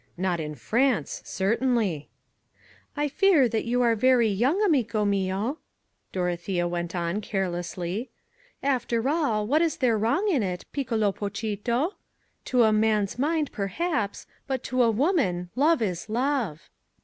Not in France, certainly. "I fear that you are very young, amico mio," Dorothea went on carelessly. "After all, what is there wrong in it, piccolo pochito? To a man's mind perhaps but to a woman, love is love."